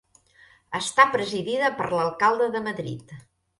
Està presidida per l'Alcalde de Madrid.